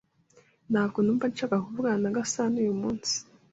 Ntabwo numva nshaka kuvugana na Gasanauyu munsi.